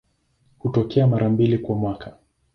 Hutokea mara mbili kwa mwaka.